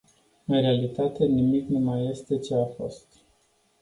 În realitate, nimic nu mai este ce-a fost.